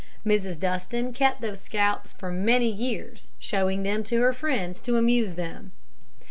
Mrs. Dustin kept those scalps for many years, showing them to her friends to amuse them.